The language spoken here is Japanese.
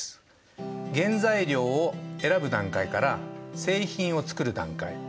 原材料をえらぶ段階から製品をつくる段階。